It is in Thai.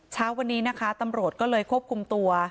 เช้าวันนี้นะคะตำรวจก็เลยควบคุมตัว